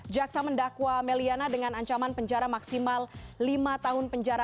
jaksa mendakwa meliana dengan ancaman penjara maksimal lima tahun penjara